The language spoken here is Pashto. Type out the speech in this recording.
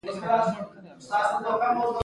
زاړه غرونه یې په شمال کې پراته دي.